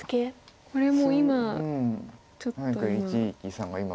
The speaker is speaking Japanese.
これも今ちょっと今。